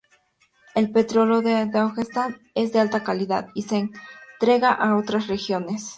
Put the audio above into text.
El petróleo de Daguestán es de alta calidad, y se entrega a otras regiones.